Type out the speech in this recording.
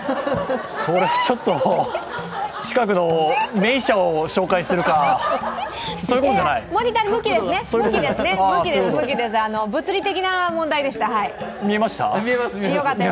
それはちょっと、近くの目医者を紹介するか、向きですよね、物理的な問題でした。